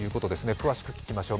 詳しく聞きましょう。